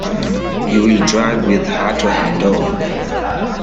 You will drive with her to her door.